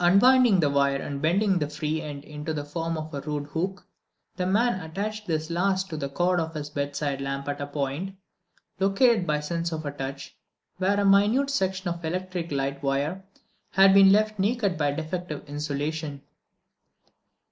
Unwinding the wire and bending the free end into the form of a rude hook, the man attached this last to the cord of his bedside lamp at a point, located by sense of touch, where a minute section of electric light wire had been left naked by defective insulation.